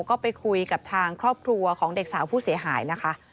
ก็ไปคุยกับทางครอบครัวของเด็กสาวผู้เสียหายนะคะ